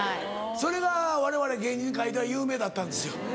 それがわれわれ芸人界では有名だったんですよ。